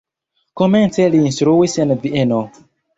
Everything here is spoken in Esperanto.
Komence li instruis en Vieno.